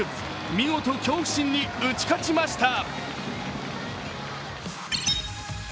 見事、恐怖心に打ち勝ちました。